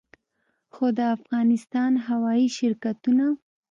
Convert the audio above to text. خو د افغانستان هوايي شرکتونه